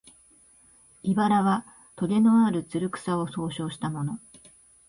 「茨」はとげのある、つる草を総称したもの